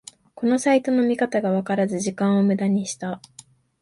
このサイトの見方がわからず時間をムダにした